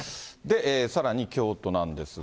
さらに京都なんですが。